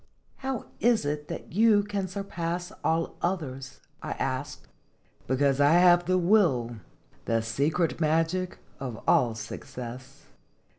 " How is it that you can surpass all others?" I asked. " Because I have the will the secret magic of all success."